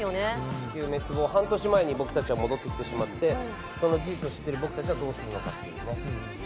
地球滅亡、半年前に僕たちは戻ってきてしまってその事実を知っている僕たちはどうするのかという。